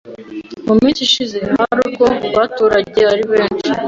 mu minsi ishize hari ubwo baturaga ari benshi